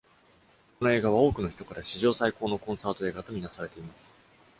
この映画は、多くの人から史上最高のコンサート映画と見なされています。